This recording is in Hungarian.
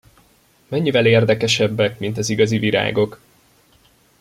Mennyivel érdekesebbek, mint az igazi virágok!